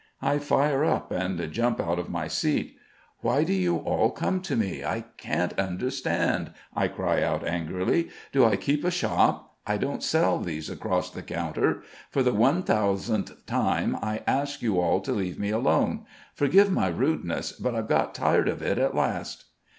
I fire up and jump out of my seat. "Why do you all come to me? I can't understand," I cry out angrily. "Do I keep a shop? I don't sell theses across the counter. For the one thousandth time I ask you all to leave me alone. Forgive my rudeness, but I've got tired of it at last!"